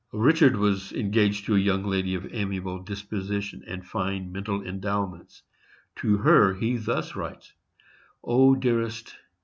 Richard was engaged to a young lady of amiable disposition and fine mental endowments. To her he thus writes: O, dearest!